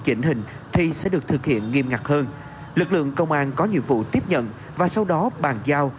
chỉnh hình thì sẽ được thực hiện nghiêm ngặt hơn lực lượng công an có nhiệm vụ tiếp nhận và sau đó bàn giao